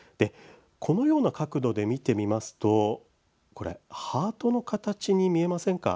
このような角度で見てみますとハートの形に見えませんか？